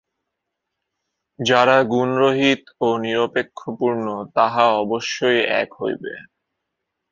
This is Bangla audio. যাহা গুণরহিত ও নিরপেক্ষ পূর্ণ, তাহা অবশ্যই এক হইবে।